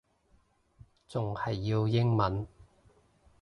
仲要係英文